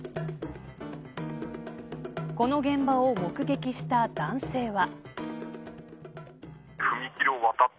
この現場を目撃した男性は。